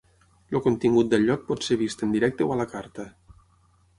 El contingut del lloc pot ser vist en directe o a la carta.